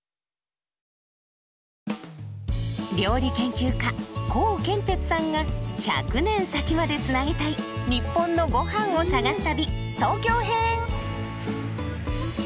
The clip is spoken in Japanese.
料理研究家コウケンテツさんが１００年先までつなげたい日本のゴハンを探す旅東京編！